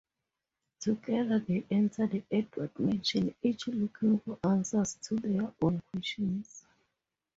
Together they enter the Edward Mansion, each looking for answers to their own questions.